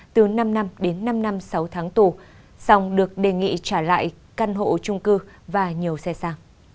từ năm năm đến năm năm sáu tháng tù xong được đề nghị trả lại căn hộ trung cư và nhiều xe xa